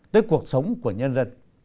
tới cuộc sống của nhân dân